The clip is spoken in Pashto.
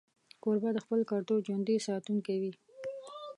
کوربه د خپل کلتور ژوندي ساتونکی وي.